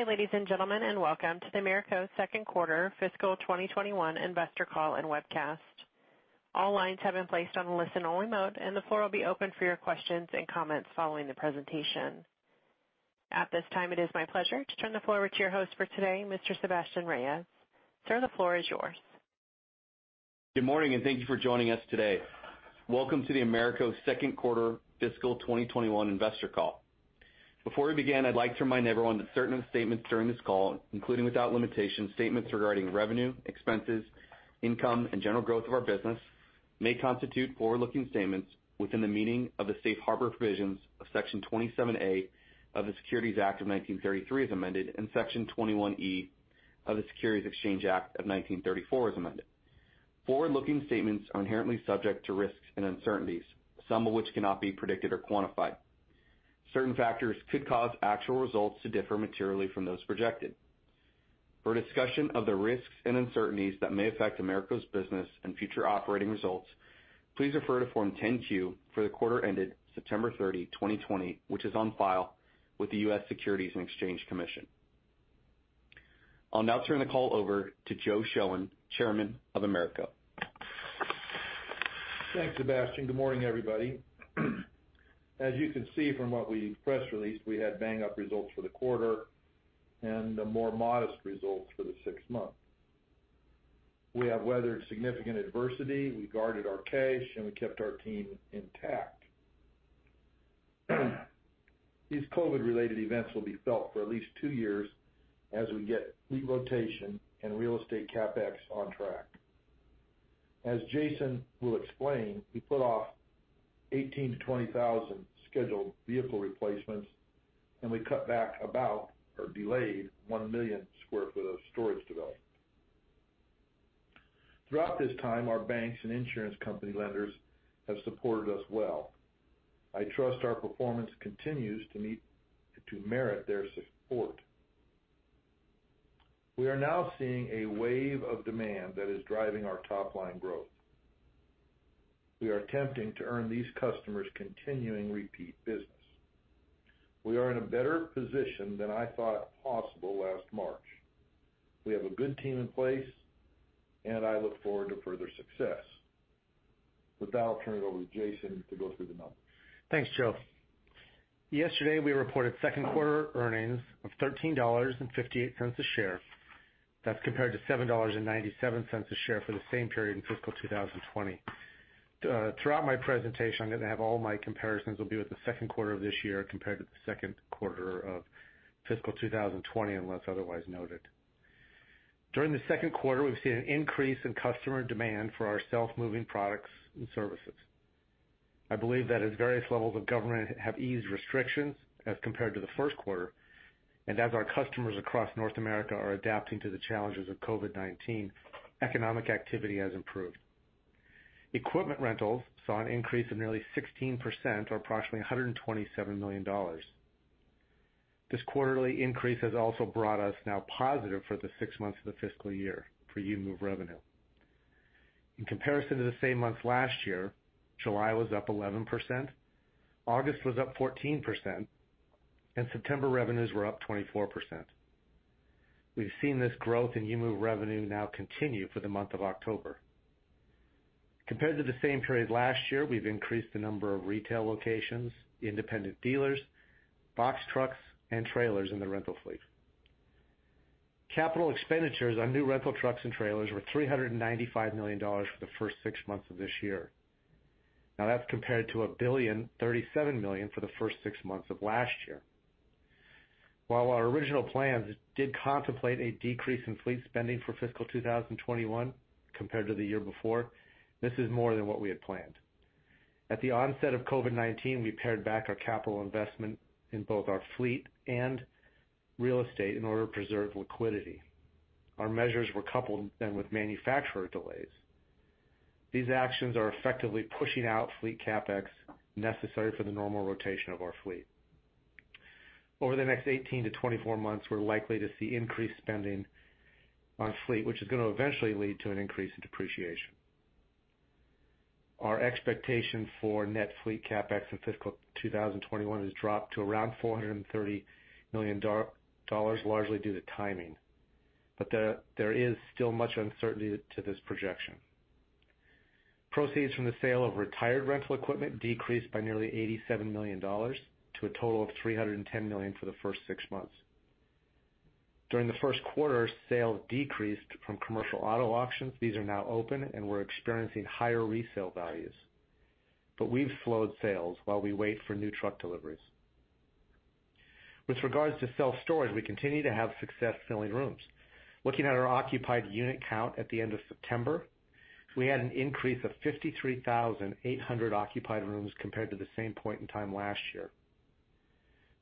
Good day, ladies and gentlemen, and welcome to the AMERCO Second Quarter Fiscal 2021 Investor Call and Webcast. All lines have been placed on listen-only mode, and the floor will be open for your questions and comments following the presentation. At this time, it is my pleasure to turn the floor to your host for today, Mr. Sebastien Reyes. Sir, the floor is yours. Good morning, and thank you for joining us today. Welcome to the AMERCO Second Quarter Fiscal 2021 Investor Call. Before we begin, I'd like to remind everyone that certain statements during this call, including without limitation, statements regarding revenue, expenses, income, and general growth of our business, may constitute forward-looking statements within the meaning of the safe harbor provisions of Section 27A of the Securities Act of 1933, as amended, and Section 21E of the Securities Exchange Act of 1934, as amended. Forward-looking statements are inherently subject to risks and uncertainties, some of which cannot be predicted or quantified. Certain factors could cause actual results to differ materially from those projected. For a discussion of the risks and uncertainties that may affect AMERCO's business and future operating results, please refer to Form 10-Q for the quarter ended September thirty, 2020, which is on file with the U.S. Securities and Exchange Commission. I'll now turn the call over to Joe Shoen, chairman of AMERCO. Thanks, Sebastian. Good morning, everybody. As you can see from the press release, we had bang-up results for the quarter and more modest results for the sixth month. We have weathered significant adversity, we guarded our cash, and we kept our team intact. These COVID-related events will be felt for at least two years as we get fleet rotation and real estate CapEx on track. As Jason will explain, we put off 18,000-20,000 scheduled vehicle replacements, and we cut back about or delayed 1 million sq ft of storage development. Throughout this time, our banks and insurance company lenders have supported us well. I trust our performance continues to merit their support. We are now seeing a wave of demand that is driving our top-line growth. We are attempting to earn these customers continuing repeat business. We are in a better position than I thought possible last March. We have a good team in place, and I look forward to further success. With that, I'll turn it over to Jason to go through the numbers. Thanks, Joe. Yesterday, we reported second quarter earnings of $13.58 a share. That's compared to $7.97 a share for the same period in fiscal two thousand and twenty. Throughout my presentation, I'm gonna have all my comparisons will be with the second quarter of this year compared to the second quarter of fiscal two thousand and twenty, unless otherwise noted. During the second quarter, we've seen an increase in customer demand for our self-moving products and services. I believe that as various levels of government have eased restrictions as compared to the first quarter, and as our customers across North America are adapting to the challenges of COVID-19, economic activity has improved. Equipment rentals saw an increase of nearly 16% or approximately $127 million. This quarterly increase has also brought us now positive for the six months of the fiscal year for U-Move revenue. In comparison to the same month last year, July was up 11%, August was up 14%, and September revenues were up 24%. We've seen this growth in U-Move revenue now continue for the month of October. Compared to the same period last year, we've increased the number of retail locations, independent dealers, box trucks, and trailers in the rental fleet. Capital expenditures on new rental trucks and trailers were $395 million for the first six months of this year. Now, that's compared to $1.037 billion for the first six months of last year. While our original plans did contemplate a decrease in fleet spending for fiscal 2021 compared to the year before, this is more than what we had planned. At the onset of COVID-19, we pared back our capital investment in both our fleet and real estate in order to preserve liquidity. Our measures were coupled then with manufacturer delays. These actions are effectively pushing out fleet CapEx necessary for the normal rotation of our fleet. Over the next 18-24 months, we're likely to see increased spending on fleet, which is gonna eventually lead to an increase in depreciation. Our expectation for net fleet CapEx in fiscal 2021 has dropped to around $430 million, largely due to timing, but there is still much uncertainty to this projection. Proceeds from the sale of retired rental equipment decreased by nearly $87 million, to a total of $310 million for the first six months. During the first quarter, sales decreased from commercial auto auctions. These are now open, and we're experiencing higher resale values, but we've slowed sales while we wait for new truck deliveries. With regards to self-storage, we continue to have success filling rooms. Looking at our occupied unit count at the end of September, we had an increase of 53,800 occupied rooms compared to the same point in time last year.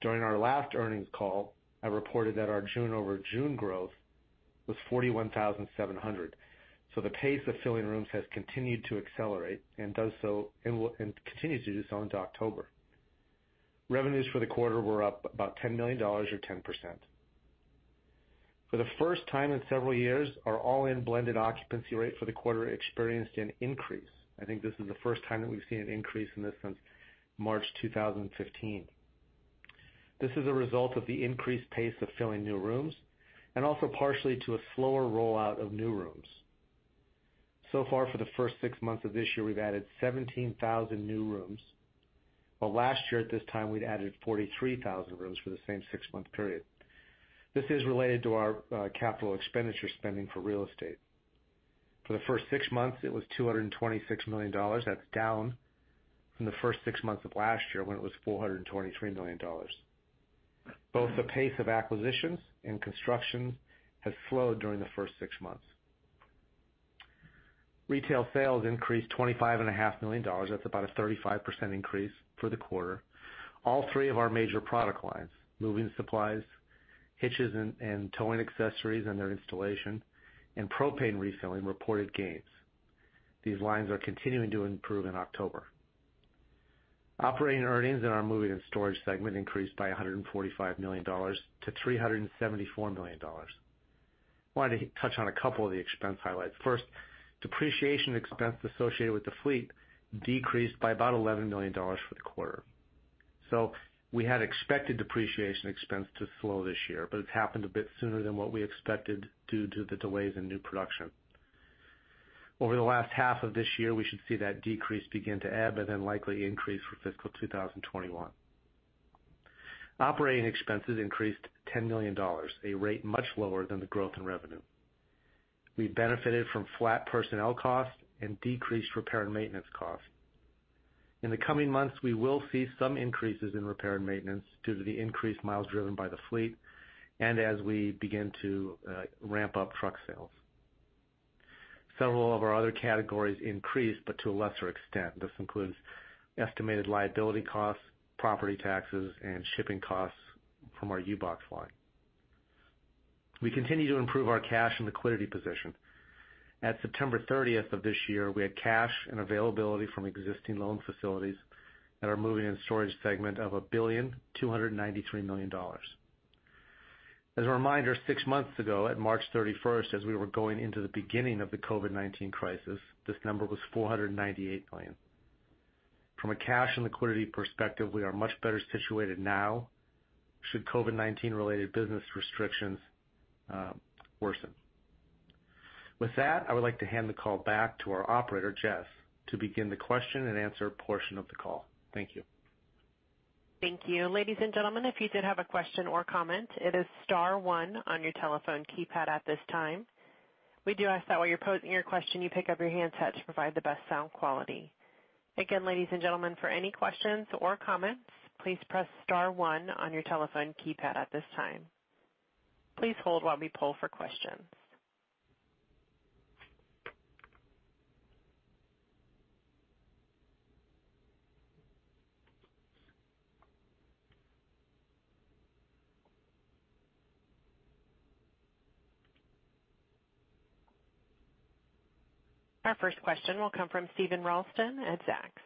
During our last earnings call, I reported that our June over June growth was 41,700. So the pace of filling rooms has continued to accelerate and continues to do so into October. Revenues for the quarter were up about $10 million or 10%.... For the first time in several years, our all-in blended occupancy rate for the quarter experienced an increase. I think this is the first time that we've seen an increase in this since March 2015. This is a result of the increased pace of filling new rooms and also partially to a slower rollout of new rooms. So far, for the first six months of this year, we've added 17,000 new rooms, while last year, at this time, we'd added 43,000 rooms for the same six-month period. This is related to our capital expenditure spending for real estate. For the first six months, it was $226 million. That's down from the first six months of last year, when it was $423 million. Both the pace of acquisitions and construction has slowed during the first six months. Retail sales increased $25.5 million. That's about a 35% increase for the quarter. All three of our major product lines, moving supplies, hitches and towing accessories and their installation, and propane refilling, reported gains. These lines are continuing to improve in October. Operating earnings in our moving and storage segment increased by $145 million to $374 million. Wanted to touch on a couple of the expense highlights. First, depreciation expense associated with the fleet decreased by about $11 million for the quarter. So we had expected depreciation expense to slow this year, but it's happened a bit sooner than what we expected, due to the delays in new production. Over the last half of this year, we should see that decrease begin to ebb and then likely increase for fiscal two thousand and twenty-one. Operating expenses increased $10 million, a rate much lower than the growth in revenue. We benefited from flat personnel costs and decreased repair and maintenance costs. In the coming months, we will see some increases in repair and maintenance due to the increased miles driven by the fleet and as we begin to ramp up truck sales. Several of our other categories increased, but to a lesser extent. This includes estimated liability costs, property taxes, and shipping costs from our U-Box line. We continue to improve our cash and liquidity position. At September thirtieth of this year, we had cash and availability from existing loan facilities at our moving and storage segment of $1.293 billion. As a reminder, six months ago, at March thirty-first, as we were going into the beginning of the COVID-19 crisis, this number was $498 million. From a cash and liquidity perspective, we are much better situated now, should COVID-19-related business restrictions worsen. With that, I would like to hand the call back to our operator, Jess, to begin the question and answer portion of the call. Thank you. Thank you. Ladies and gentlemen, if you did have a question or comment, it is star one on your telephone keypad at this time. We do ask that while you're posing your question, you pick up your handset to provide the best sound quality. Again, ladies and gentlemen, for any questions or comments, please press star one on your telephone keypad at this time. Please hold while we poll for questions. Our first question will come from Steven Ralston at Zacks.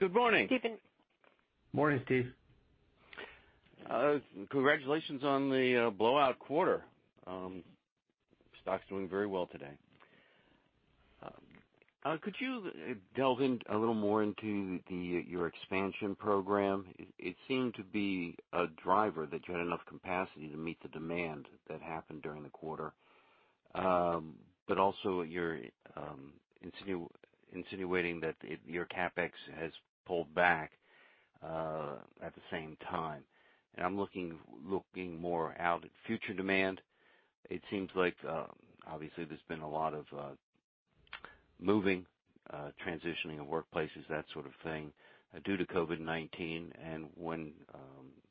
Good morning. Morning, Steve. Congratulations on the blowout quarter. Stock's doing very well today. Could you delve in a little more into your expansion program? It seemed to be a driver that you had enough capacity to meet the demand that happened during the quarter. But also, you're insinuating that your CapEx has pulled back at the same time. And I'm looking more out at future demand. It seems like, obviously, there's been a lot of moving transitioning of workplaces, that sort of thing, due to COVID-19. And when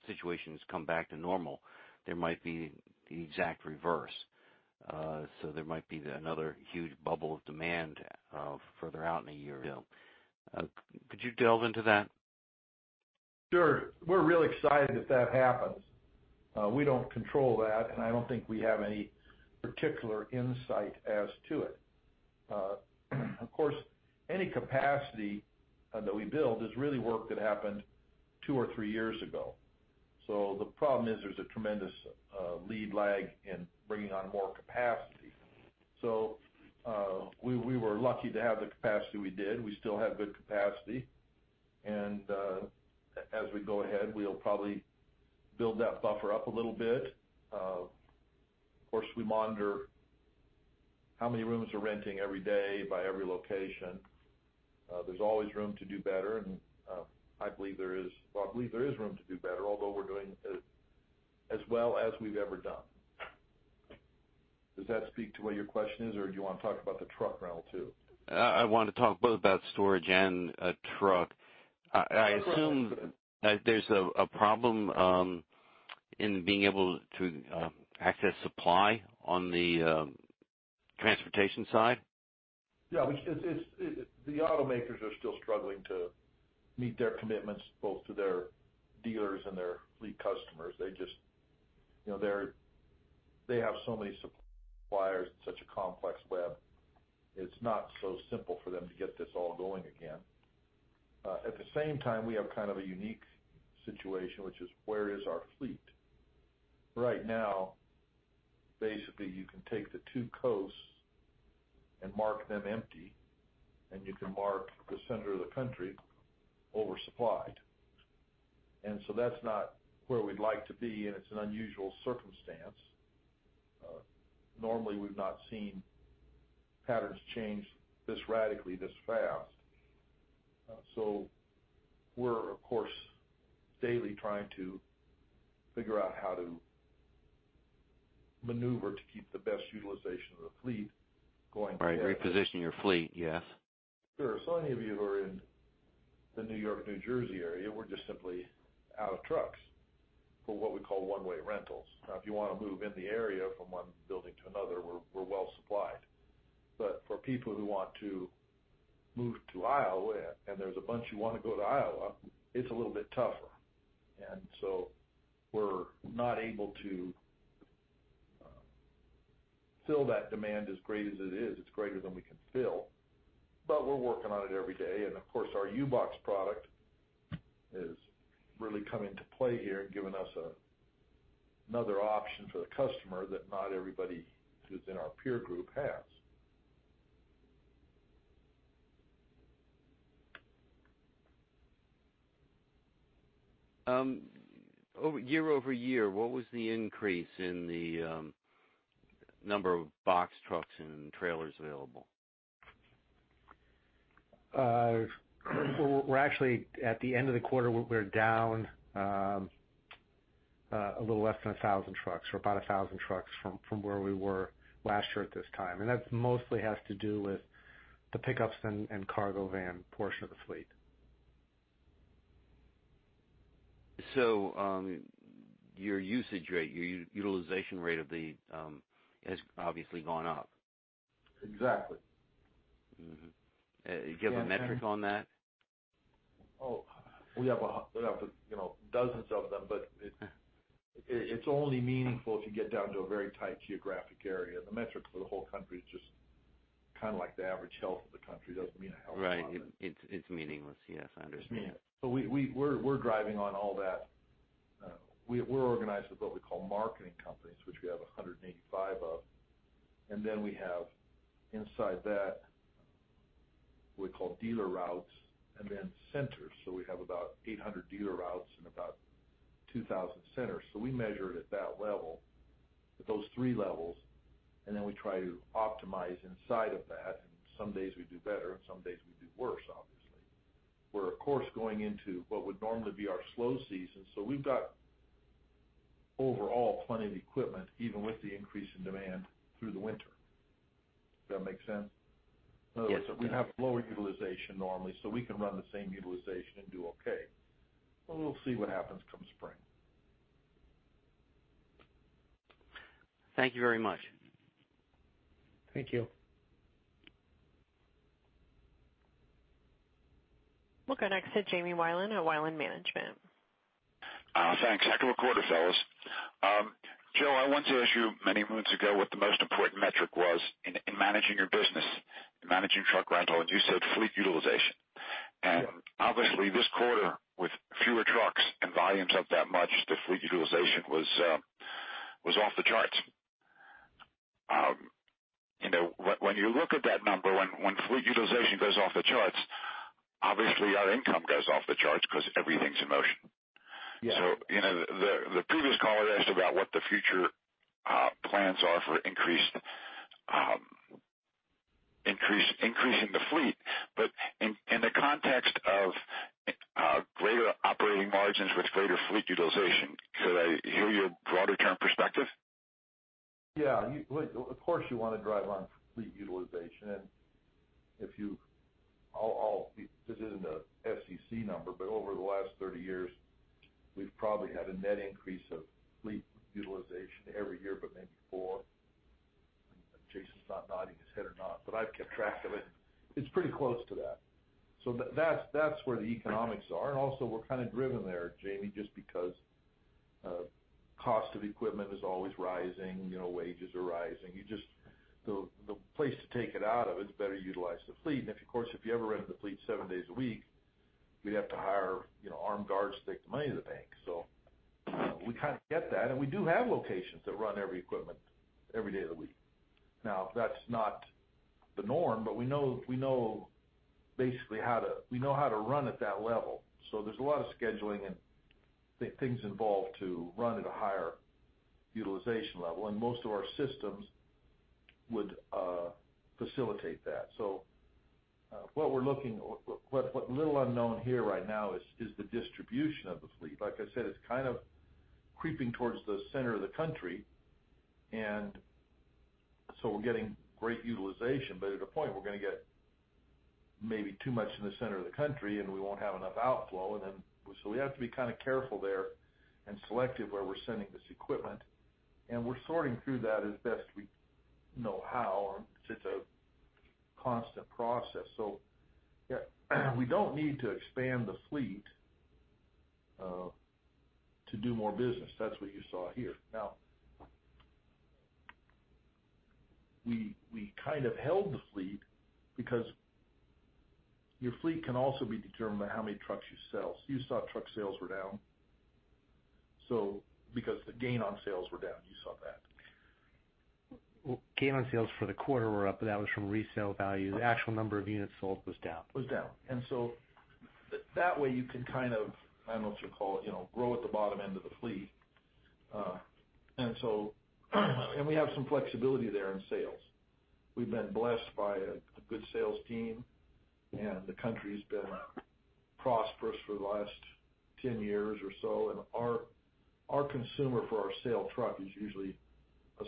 situations come back to normal, there might be the exact reverse. So there might be another huge bubble of demand further out in a year. Could you delve into that? Sure. We're real excited if that happens. We don't control that, and I don't think we have any particular insight as to it. Of course, any capacity that we build is really work that happened two or three years ago. So the problem is there's a tremendous lead lag in bringing on more capacity. So, we were lucky to have the capacity we did. We still have good capacity. And as we go ahead, we'll probably build that buffer up a little bit. Of course, we monitor how many rooms we're renting every day by every location. There's always room to do better, and I believe there is room to do better, although we're doing as well as we've ever done. Does that speak to what your question is, or do you want to talk about the truck rental, too? I want to talk both about storage and truck. I assume- Sure. There's a problem in being able to access supply on the transportation side? Yeah, which it's the automakers are still struggling to meet their commitments, both to their dealers and their fleet customers. They just, you know, they have so many suppliers and such a complex web, it's not so simple for them to get this all going again. At the same time, we have kind of a unique situation, which is: where is our fleet? Right now, basically, you can take the two coasts and mark them empty, and you can mark the center of the country oversupplied. And so that's not where we'd like to be, and it's an unusual circumstance. Normally, we've not seen patterns change this radically, this fast. So we're, of course, daily trying to figure out how to maneuver to keep the best utilization of the fleet going. Right, reposition your fleet, yes. Sure. So any of you who are in the New York-New Jersey area, we're just simply out of trucks for what we call one-way rentals. Now, if you want to move in the area from one building to another, we're well supplied. But for people who want to move to Iowa, and there's a bunch who want to go to Iowa, it's a little bit tougher. And so we're not able to fill that demand. As great as it is, it's greater than we can fill, but we're working on it every day. And of course, our U-Box product is really coming to play here and giving us another option for the customer that not everybody who's in our peer group has. Year over year, what was the increase in the number of box trucks and trailers available? We're actually at the end of the quarter. We're down a little less than a thousand trucks, or about a thousand trucks from where we were last year at this time. And that mostly has to do with the pickups and cargo van portion of the fleet. So, your usage rate, your utilization rate of the, has obviously gone up. Exactly. Mm-hmm. You give a metric on that? Oh, we have, you know, dozens of them, but it- Yeah... it's only meaningful if you get down to a very tight geographic area. The metric for the whole country is just kind of like the average health of the country. Doesn't mean a hell of a lot. Right. It's meaningless. Yes, I understand. But we're driving on all that. We're organized with what we call marketing companies, which we have 185 of, and then we have inside that, we call dealer routes and then centers. So we have about 800 dealer routes and about 2,000 centers. So we measure it at that level, at those three levels, and then we try to optimize inside of that. Some days we do better, and some days we do worse, obviously. We're, of course, going into what would normally be our slow season, so we've got overall plenty of equipment, even with the increase in demand through the winter. Does that make sense? Yes. So we have lower utilization normally, so we can run the same utilization and do okay. But we'll see what happens come spring. Thank you very much. Thank you. We'll go next to Jamie Wilen at Wilen Management. Thanks. Back to the quarter, fellas. Joe, I want to ask you, many months ago, what the most important metric was in managing your business and managing truck rental, and you said fleet utilization. Yeah. Obviously, this quarter, with fewer trucks and volumes up that much, the fleet utilization was off the charts. You know, when you look at that number, when fleet utilization goes off the charts, obviously, our income goes off the charts because everything's in motion. Yeah. So, you know, the previous caller asked about what the future plans are for increasing the fleet. But in the context of greater operating margins with greater fleet utilization, could I hear your broader term perspective? Yeah. You look, of course, you want to drive on fleet utilization, and if you... I'll, I'll be-- this isn't a SEC number, but over the last thirty years, we've probably had a net increase of fleet utilization every year, but maybe four. Jason's not nodding his head or not, but I've kept track of it. It's pretty close to that. So that's, that's where the economics are. And also, we're kind of driven there, Jamie, just because cost of equipment is always rising, you know, wages are rising. You just... The place to take it out of is better utilize the fleet. And of course, if you ever rent the fleet seven days a week, we'd have to hire, you know, armed guards to take the money to the bank. So we kind of get that, and we do have locations that run every equipment every day of the week. Now, that's not the norm, but we know basically how to run at that level, so there's a lot of scheduling and things involved to run at a higher utilization level, and most of our systems would facilitate that. So, what little unknown here right now is the distribution of the fleet. Like I said, it's kind of creeping towards the center of the country, and so we're getting great utilization, but at a point, we're going to get maybe too much in the center of the country, and we won't have enough outflow, and then so we have to be kind of careful there and selective where we're sending this equipment. And we're sorting through that as best we know how, and it's a constant process. So, we don't need to expand the fleet... to do more business, that's what you saw here. Now, we kind of held the fleet because your fleet can also be determined by how many trucks you sell. So you saw truck sales were down, so because the gain on sales were down, you saw that. Gain on sales for the quarter were up, but that was from resale value. The actual number of units sold was down. was down. And so that way, you can kind of, I don't know what you call it, you know, grow at the bottom end of the fleet. And so, we have some flexibility there in sales. We've been blessed by a good sales team, and the country's been prosperous for the last 10 years or so, and our consumer for our sale truck is usually a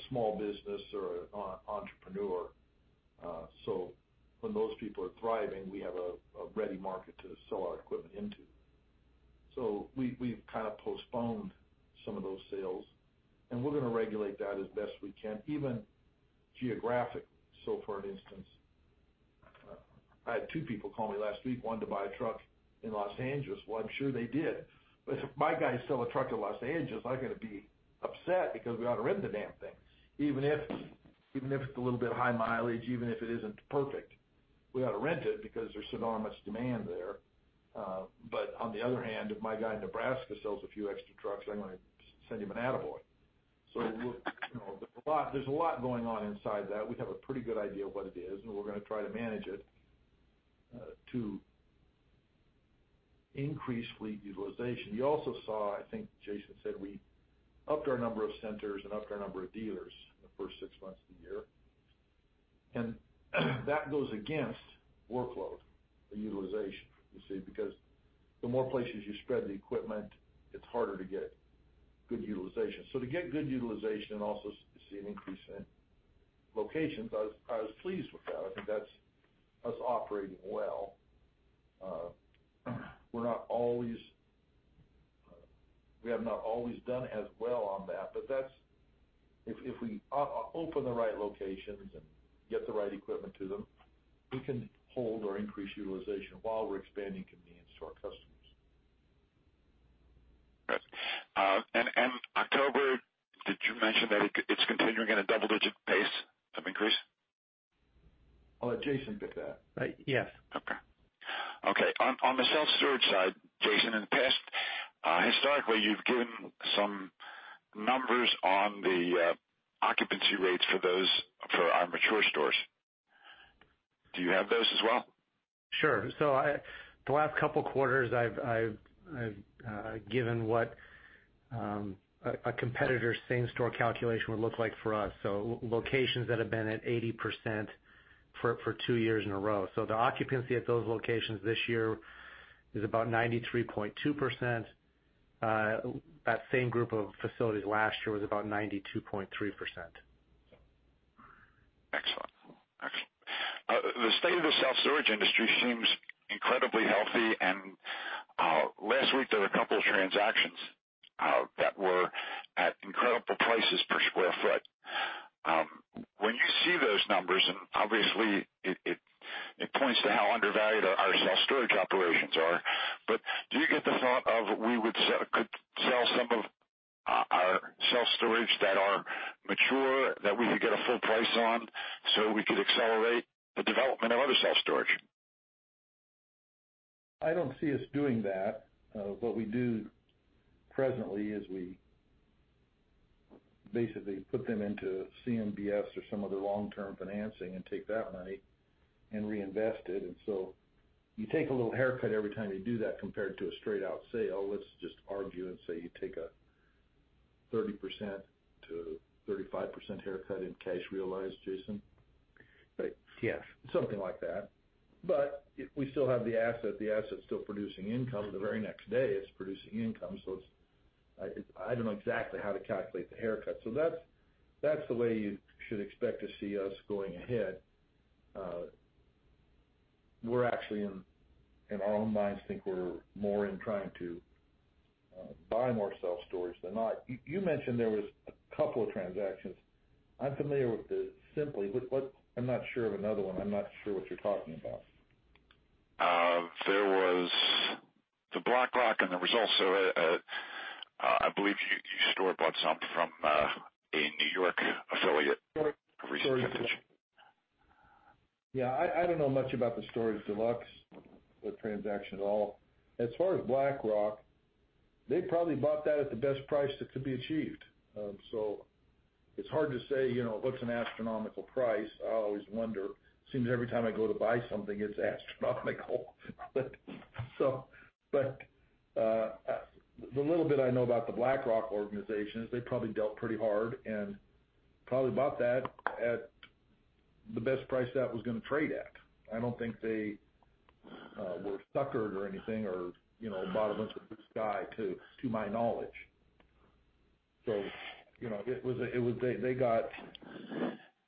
small business or an entrepreneur. So when those people are thriving, we have a ready market to sell our equipment into. So we've kind of postponed some of those sales, and we're gonna regulate that as best we can, even geographically. So for instance, I had two people call me last week, wanting to buy a truck in Los Angeles. I'm sure they did, but if my guys sell a truck to Los Angeles, I'm gonna be upset because we ought to rent the damn thing. Even if it's a little bit high mileage, even if it isn't perfect, we ought to rent it because there's enormous demand there. On the other hand, if my guy in Nebraska sells a few extra trucks, I'm gonna send him an attaboy. You know, there's a lot going on inside that. We have a pretty good idea of what it is, and we're gonna try to manage it to increase fleet utilization. You also saw, I think Jason said, we upped our number of centers and upped our number of dealers in the first six months of the year, and that goes against workload and utilization, you see, because the more places you spread the equipment, it's harder to get good utilization. So to get good utilization and also see an increase in locations, I was pleased with that. I think that's us operating well. We're not always. We have not always done as well on that, but that's if we open the right locations and get the right equipment to them, we can hold or increase utilization while we're expanding convenience to our customers. Got it. And October, did you mention that it's continuing at a double-digit pace of increase? I'll let Jason get that. Uh, yes. Okay. Okay, on, on the self-storage side, Jason, in the past, historically, you've given some numbers on the, occupancy rates for those, for our mature stores. Do you have those as well? Sure. In the last couple quarters, I've given what a competitor's same-store calculation would look like for us, so locations that have been at 80% for two years in a row. The occupancy at those locations this year is about 93.2%. That same group of facilities last year was about 92.3%. Excellent. Excellent. The state of the self-storage industry seems incredibly healthy, and last week, there were a couple of transactions that were at incredible prices per sq ft. When you see those numbers, and obviously it points to how undervalued our self-storage operations are, but do you get the thought of we would sell--could sell some of our self-storage that are mature, that we could get a full price on, so we could accelerate the development of other self-storage? I don't see us doing that. What we do presently is we basically put them into CMBS or some other long-term financing and take that money and reinvest it. And so you take a little haircut every time you do that compared to a straight-out sale. Let's just argue and say you take a 30%-35% haircut in cash realized, Jason? Right. Yes. Something like that. But we still have the asset, the asset's still producing income. The very next day, it's producing income, so it's... I don't know exactly how to calculate the haircut. So that's the way you should expect to see us going ahead. We're actually in our own minds think we're more in trying to buy more self-storage than not. You mentioned there was a couple of transactions. I'm familiar with the Simply, but what-- I'm not sure of another one. I'm not sure what you're talking about. There was the BlackRock, and there was also a, I believe you just bought some from a New York affiliate. Yeah, I don't know much about the Storage Deluxe, the transaction at all. As far as BlackRock, they probably bought that at the best price that could be achieved. So it's hard to say, you know, what's an astronomical price? I always wonder. Seems every time I go to buy something, it's astronomical. But the little bit I know about the BlackRock organization is they probably dealt pretty hard and probably bought that at the best price that was gonna trade at. I don't think they were suckered or anything or, you know, bought a bunch of sky to my knowledge. So, you know, it was.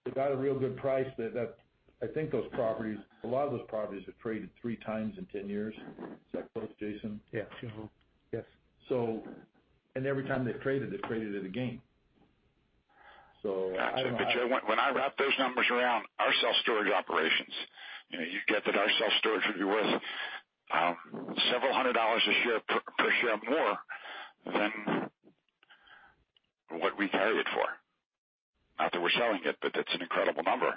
They got a real good price there that I think those properties, a lot of those properties have traded three times in 10 years. Is that close, Jason? Yes. Mm-hmm. Yes. Every time they've traded, they've traded it again.... But Jay, when I wrap those numbers around our self-storage operations, you know, you get that our self-storage could be worth several hundred dollars a share, per share more than what we carry it for. Not that we're selling it, but that's an incredible number.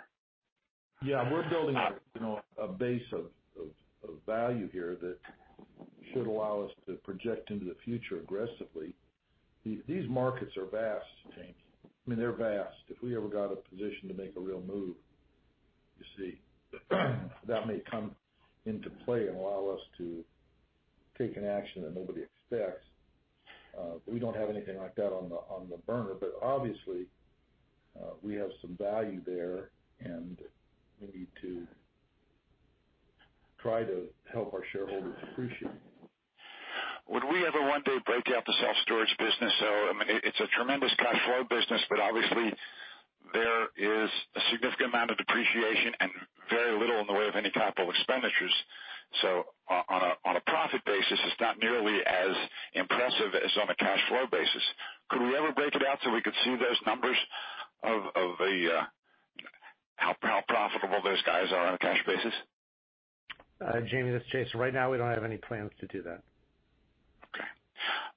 Yeah, we're building, you know, a base of value here that should allow us to project into the future aggressively. These markets are vast, Jamie. I mean, they're vast. If we ever got a position to make a real move, you see, that may come into play and allow us to take an action that nobody expects, but we don't have anything like that on the burner, but obviously we have some value there, and we need to try to help our shareholders appreciate it. Would we ever one day break out the self-storage business? So I mean, it, it's a tremendous cash flow business, but obviously, there is a significant amount of depreciation and very little in the way of any capital expenditures. So on a profit basis, it's not nearly as impressive as on a cash flow basis. Could we ever break it out so we could see those numbers of how profitable those guys are on a cash basis? Jamie, this is Jason. Right now, we don't have any plans to do that.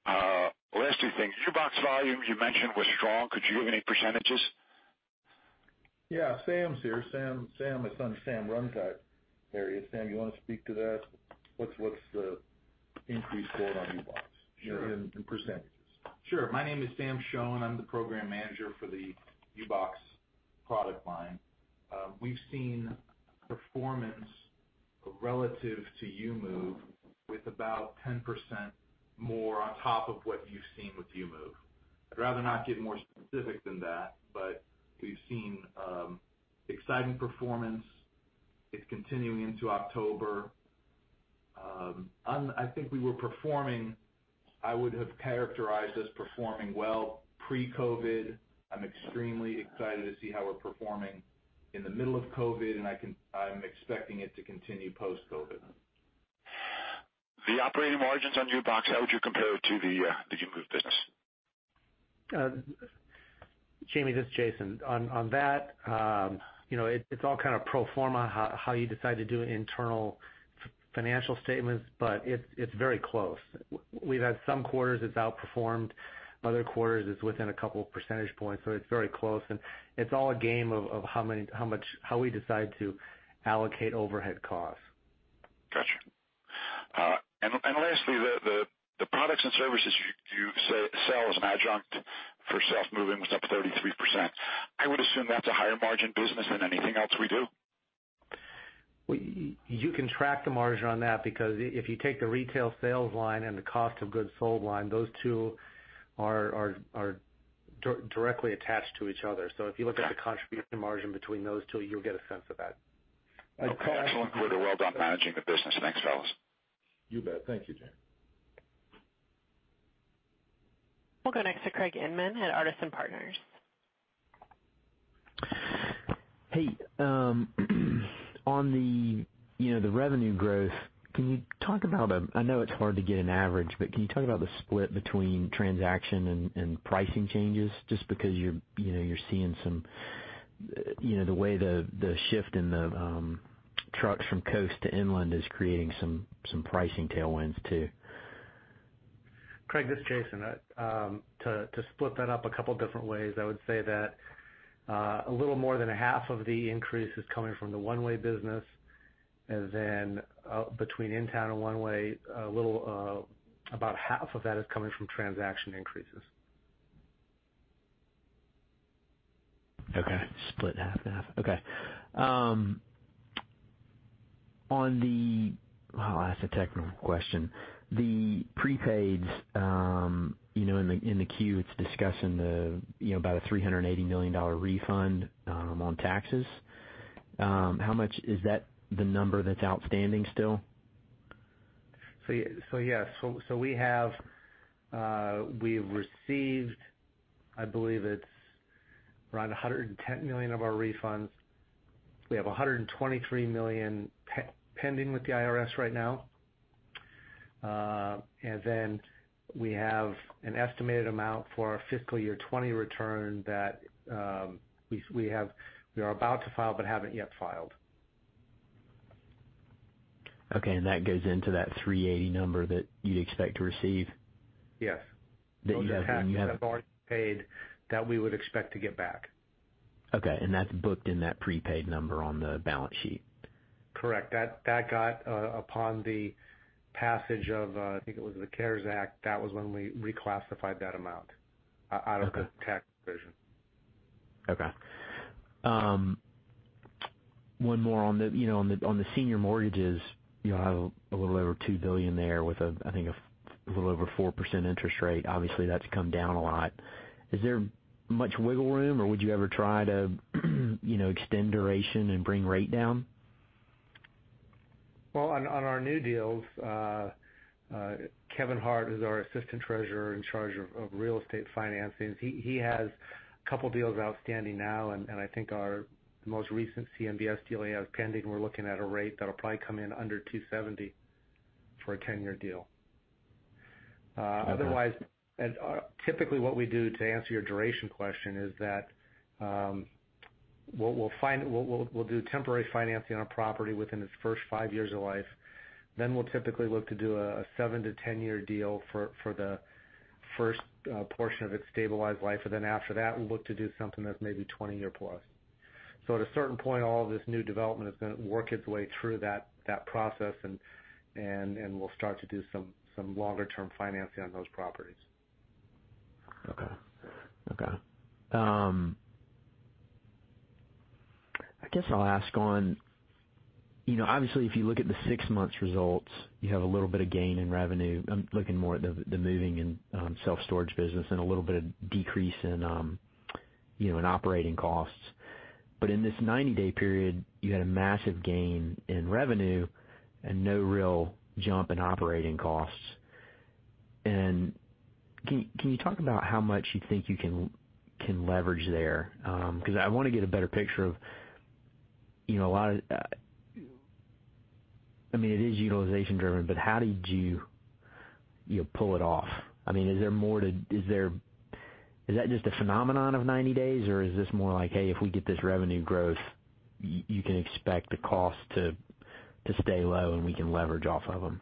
Okay. Last two things. U-Box volume, you mentioned, was strong. Could you give any percentages? Yeah. Sam's here. Sam, my son Sam, runs that area. Sam, you want to speak to that? What's the increase score on U-Box in percentages? Sure. My name is Sam Shoen. I'm the Program Manager for the U-Box product line. We've seen performance relative to U-Move with about 10% more on top of what you've seen with U-Move. I'd rather not get more specific than that, but we've seen exciting performance. It's continuing into October. I think we were performing. I would have characterized us performing well pre-COVID. I'm extremely excited to see how we're performing in the middle of COVID, and I'm expecting it to continue post-COVID. The operating margins on U-Box, how would you compare it to the U-Move business? Jamie, this is Jason. On that, you know, it's all kind of pro forma, how you decide to do internal financial statements, but it's very close. We've had some quarters it's outperformed, other quarters it's within a couple of percentage points, so it's very close, and it's all a game of how much we decide to allocate overhead costs. Gotcha. And lastly, the products and services you sell as an adjunct for self moving was up 33%. I would assume that's a higher margin business than anything else we do? You can track the margin on that, because if you take the retail sales line and the cost of goods sold line, those two are directly attached to each other. Got it. So if you look at the contribution margin between those two, you'll get a sense of that. Okay, excellent. Well done managing the business. Thanks, fellas. You bet. Thank you, Jamie. We'll go next to Craig Inman at Artisan Partners. Hey, on the, you know, the revenue growth, can you talk about, I know it's hard to get an average, but can you talk about the split between transaction and pricing changes? Just because you're, you know, you're seeing some, you know, the way the shift in the trucks from coast to inland is creating some pricing tailwinds, too. Craig, this is Jason. To split that up a couple different ways, I would say that a little more than a half of the increase is coming from the one-way business. And then, between in-town and one-way, a little about half of that is coming from transaction increases. Okay. Split half and half. Okay. On the... I'll ask a technical question. The prepaids, you know, in the, in the Q, it's discussing the, you know, about a $380 million refund on taxes. How much is that, the number that's outstanding still? Yes. We have received, I believe it's around $110 million of our refunds. We have $123 million pending with the IRS right now. We have an estimated amount for our fiscal year 2020 return that we are about to file but haven't yet filed. Okay, and that goes into that 380 number that you'd expect to receive? Yes. That you have, when you have- That have already paid, that we would expect to get back. Okay, and that's booked in that prepaid number on the balance sheet? Correct. That got upon the passage of, I think it was the CARES Act, that was when we reclassified that amount out of the- Okay... tax division. Okay. One more on the senior mortgages, you know, a little over $2 billion there with, I think, a little over 4% interest rate. Obviously, that's come down a lot. Is there much wiggle room, or would you ever try to, you know, extend duration and bring rate down? On our new deals, Kevin Hart, who's our Assistant Treasurer in charge of real estate financings, he has a couple deals outstanding now, and I think our most recent CMBS deal he has pending, we're looking at a rate that'll probably come in under $270 million for a 10-year deal. Otherwise, typically what we do, to answer your duration question, is that what we'll find we'll do temporary financing on a property within its first five years of life, then we'll typically look to do a seven to 10-year deal for the first portion of its stabilized life. And then after that, we'll look to do something that's maybe 20-year plus. So at a certain point, all of this new development is gonna work its way through that process, and we'll start to do some longer-term financing on those properties. Okay. Okay. I guess I'll ask on... You know, obviously, if you look at the six months results, you have a little bit of gain in revenue. I'm looking more at the moving and self-storage business and a little bit of decrease in operating costs. But in this ninety-day period, you had a massive gain in revenue and no real jump in operating costs. And can you talk about how much you think you can leverage there? Because I want to get a better picture of a lot of... I mean, it is utilization driven, but how did you pull it off? I mean, is that just a phenomenon of 90 days, or is this more like, "Hey, if we get this revenue growth, you can expect the cost to stay low, and we can leverage off of them?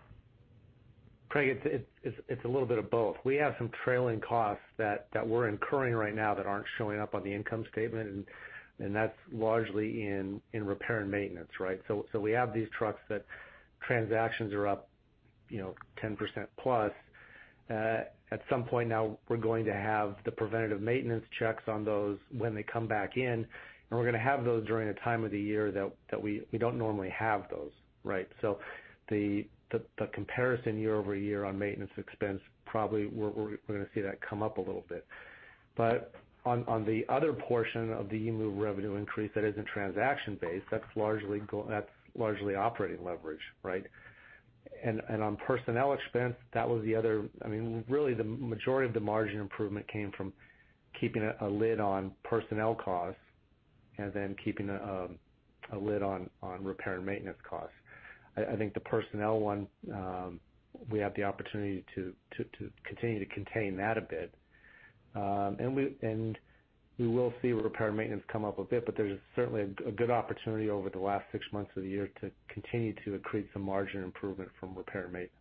Craig, it's a little bit of both. We have some trailing costs that we're incurring right now that aren't showing up on the income statement, and that's largely in repair and maintenance, right? So we have these trucks that transactions are up, you know, 10%+. At some point now, we're going to have the preventative maintenance checks on those when they come back in, and we're gonna have those during a time of the year that we don't normally have those, right? So the comparison year over year on maintenance expense, probably we're gonna see that come up a little bit. But on the other portion of the U-Move revenue increase that isn't transaction-based, that's largely operating leverage, right? And on personnel expense, that was the other... I mean, really, the majority of the margin improvement came from keeping a lid on personnel costs and then keeping a lid on repair and maintenance costs. I think the personnel one, we have the opportunity to continue to contain that a bit. And we will see repair and maintenance come up a bit, but there's certainly a good opportunity over the last six months of the year to continue to increase the margin improvement from repair and maintenance.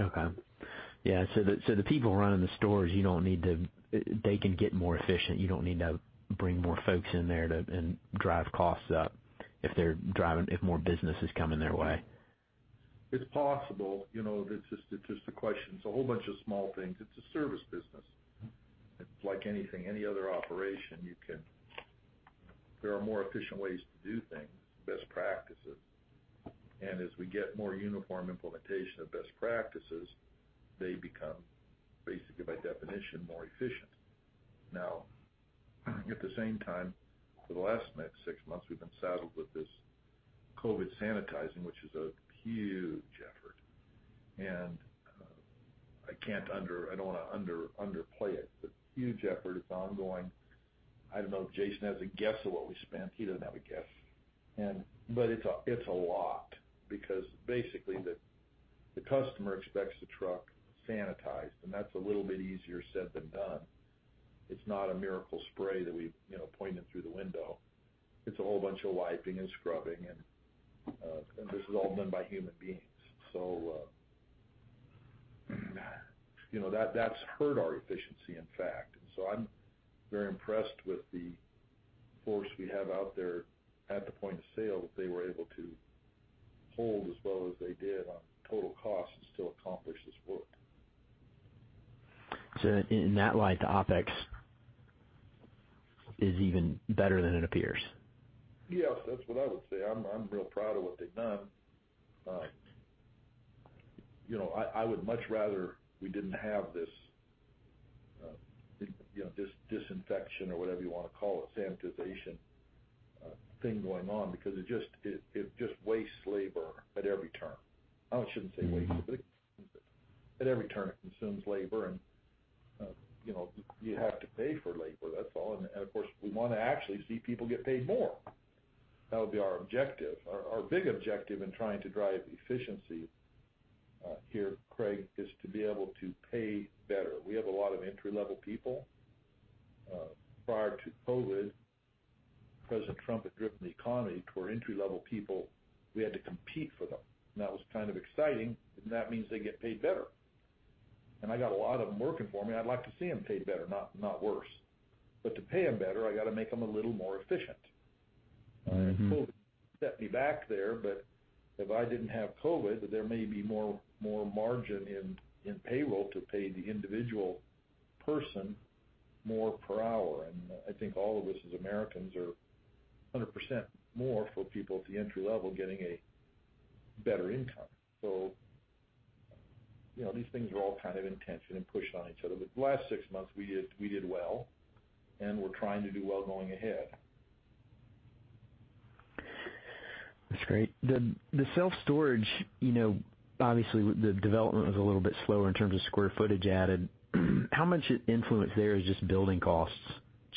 Okay. Yeah, so the people running the stores, you don't need to... They can get more efficient. You don't need to bring more folks in there to and drive costs up if more business is coming their way. It's possible, you know, it's just, it's just a question. It's a whole bunch of small things. It's a service business. It's like anything, any other operation you can... There are more efficient ways to do things, best practices. And as we get more uniform implementation of best practices, they become, basically by definition, more efficient. Now, at the same time, for the last six months, we've been saddled with this COVID sanitizing, which is a huge effort, and I can't underplay it. I don't want to underplay it. It's a huge effort. It's ongoing. I don't know if Jason has a guess of what we spent. He doesn't have a guess. And but it's a lot because basically, the customer expects the truck sanitized, and that's a little bit easier said than done. It's not a miracle spray that we, you know, point in through the window. It's a whole bunch of wiping and scrubbing, and this is all done by human beings. So, you know, that, that's hurt our efficiency, in fact. So I'm very impressed with the force we have out there at the point of sale, that they were able to hold as well as they did on total cost and still accomplish this work. So in that light, the OpEx is even better than it appears? Yes, that's what I would say. I'm real proud of what they've done. You know, I would much rather we didn't have this, you know, this disinfection or whatever you want to call it, sanitization, thing going on, because it just wastes labor at every turn. I shouldn't say waste, but at every turn, it consumes labor, and, you know, you have to pay for labor, that's all. And, of course, we want to actually see people get paid more. That would be our objective. Our big objective in trying to drive efficiency, here, Craig, is to be able to pay better. We have a lot of entry-level people. Prior to COVID, President Trump had driven the economy to where entry-level people, we had to compete for them. And that was kind of exciting, and that means they get paid better. And I got a lot of them working for me. I'd like to see them paid better, not worse. But to pay them better, I got to make them a little more efficient. Mm-hmm. And COVID set me back there, but if I didn't have COVID, there may be more margin in payroll to pay the individual person more per hour. And I think all of us, as Americans, are 100% more for people at the entry level getting a better income. So, you know, these things are all kind of in tension and pushing on each other. But the last six months, we did well, and we're trying to do well going ahead. That's great. The self-storage, you know, obviously, the development was a little bit slower in terms of square footage added. How much influence there is just building costs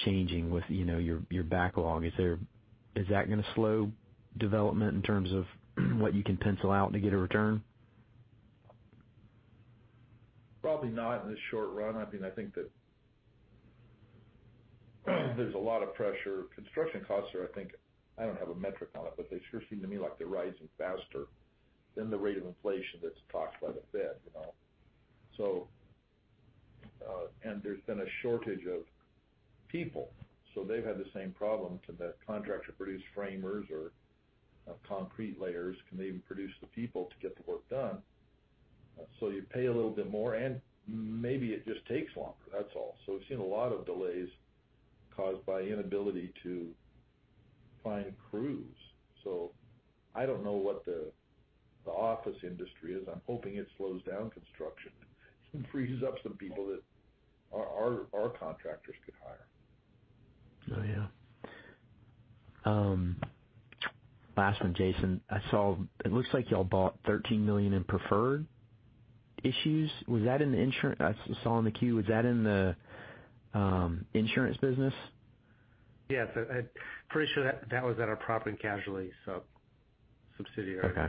changing with, you know, your backlog. Is that going to slow development in terms of what you can pencil out to get a return? Probably not in the short run. I mean, I think that, there's a lot of pressure. Construction costs are, I think, I don't have a metric on it, but they sure seem to me like they're rising faster than the rate of inflation that's talked about a bit, you know? So, and there's been a shortage of people, so they've had the same problem. Can the contractor produce framers or, concrete layers? Can they even produce the people to get the work done? So you pay a little bit more, and maybe it just takes longer, that's all. So we've seen a lot of delays caused by inability to find crews. So I don't know what the office industry is. I'm hoping it slows down construction and frees up some people that our contractors could hire. Oh, yeah. Last one, Jason. I saw... It looks like y'all bought $13 million in preferred issues. Was that in the insurance? I saw in the Q, was that in the insurance business? Yes, I'm pretty sure that was at our property and casualty subsidiary. Okay.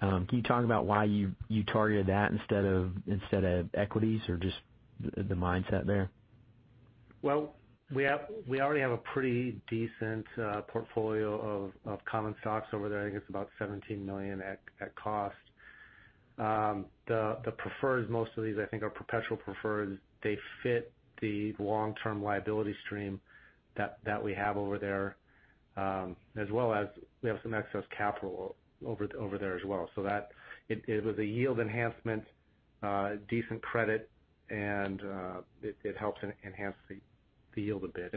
Can you talk about why you targeted that instead of equities, or just the mindset there? We already have a pretty decent portfolio of common stocks over there. I think it's about $17 million at cost. The preferreds, most of these, I think, are perpetual preferreds. They fit the long-term liability stream that we have over there, as well as we have some excess capital over there as well. So that it was a yield enhancement, decent credit, and it helped enhance the yield a bit.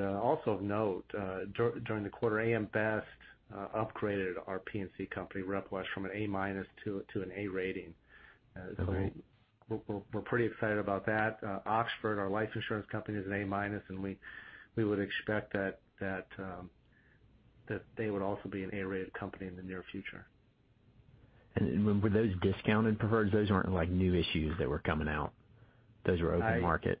Also of note, during the quarter, AM Best upgraded our P&C company, Repwest, from an A- to an A rating. That's great. So we're pretty excited about that. Oxford, our life insurance company, is an A-, and we would expect that they would also be an A-rated company in the near future. Were those discounted preferreds? Those weren't like, new issues that were coming out, those were open market?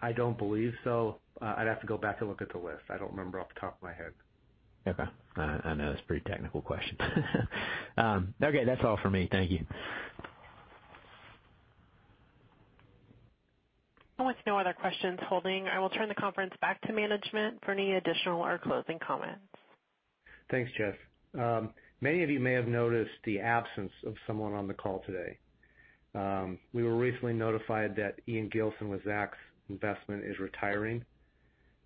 I don't believe so. I'd have to go back and look at the list. I don't remember off the top of my head. Okay. I know it's a pretty technical question. Okay, that's all for me. Thank you. With no other questions holding, I will turn the conference back to management for any additional or closing comments. Thanks, Jess. Many of you may have noticed the absence of someone on the call today. We were recently notified that Ian Gilson with Zacks Investment is retiring.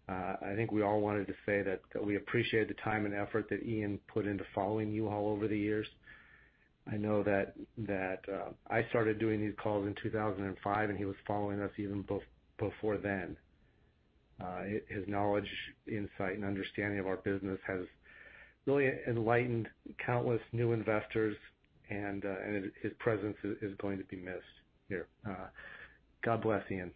I think we all wanted to say that we appreciate the time and effort that Ian put into following you all over the years. I know that I started doing these calls in two thousand and five, and he was following us even before then. His knowledge, insight, and understanding of our business has really enlightened countless new investors, and his presence is going to be missed here. God bless, Ian.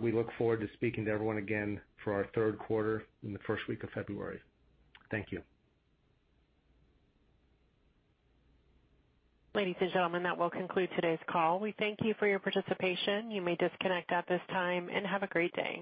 We look forward to speaking to everyone again for our third quarter in the first week of February. Thank you. Ladies and gentlemen, that will conclude today's call. We thank you for your participation. You may disconnect at this time, and have a great day.